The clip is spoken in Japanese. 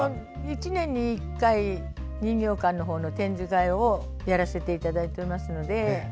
１年に１回人形館の方の展示会をやらせていただいています。